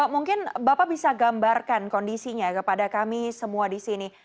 mungkin bapak bisa gambarkan kondisinya kepada kami semua di sini